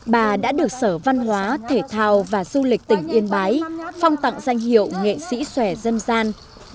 bà đã được sở văn hóa thể thao và du lịch tỉnh yên bái phong tặng danh hiệu nghệ sĩ xòe dân gian